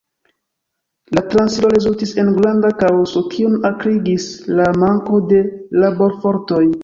La transiro rezultis en granda kaoso, kiun akrigis la manko de laborfortoj.